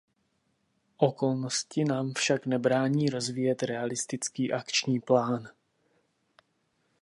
Okolnosti nám však nebrání rozvíjet realistický akční plán.